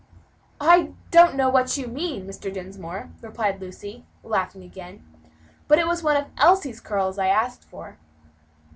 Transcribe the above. "I don't know what you mean, Mr. Dinsmore," replied Lucy, laughing again, "but it was one of Elsie's curls I asked for."